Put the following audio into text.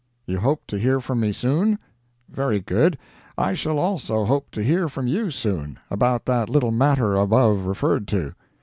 You hope to hear from me soon? Very good. I shall also hope to hear from you soon, about that little matter above referred to.